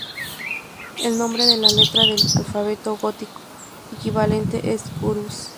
El nombre de la letra del alfabeto gótico equivalente es "urus".